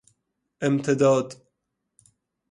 امتداد